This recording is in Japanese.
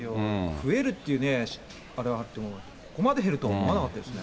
増えるっていうね、あれがあっても、ここまで減るとは思わなかったですよね。